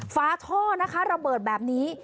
ฝาท่อระเบิดแบบนี้